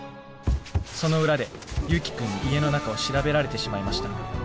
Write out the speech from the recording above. その裏で祐樹君に家の中を調べられてしまいました。